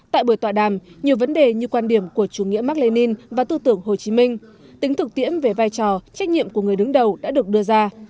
tại buổi tọa đàm nhiều vấn đề như quan điểm của chủ nghĩa mark lenin và tư tưởng hồ chí minh tính thực tiễn về vai trò trách nhiệm của người đứng đầu đã được đưa ra